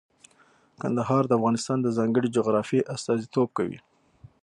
کندهار د افغانستان د ځانګړي جغرافیه استازیتوب کوي.